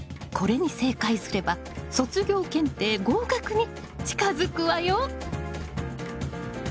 これに正解すれば卒業検定合格に近づくわよ！